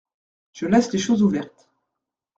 Je laisse les choses ouvertes.